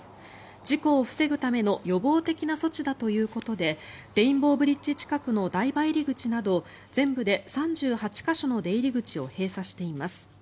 事故を防ぐための予防的な措置だということでレインボーブリッジ近くの台場入口など全部で３８か所の出入り口を閉鎖しています。